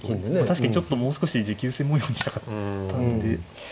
確かにちょっともう少し持久戦模様にしたかったんで。